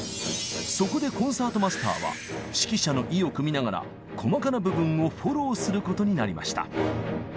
そこでコンサートマスターは指揮者の意をくみながら細かな部分をフォローすることになりました。